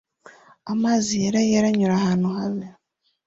Amazi yera yera anyura ahantu habi